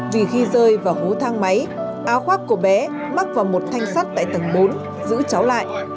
vì khi rơi vào hố thang máy áo khoác của bé mắc vào một thanh sắt tại tầng bốn giữ cháu lại